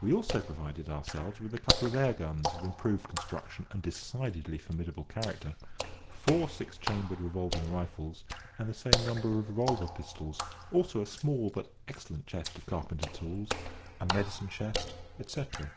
We also provided ourselves with a couple of air guns of improved construction and decidedly formidable character, four six chambered revolving rifles, and the same number of revolver pistols, also a small but excellent chest of carpenter's tools, a medicine chest, etcetera.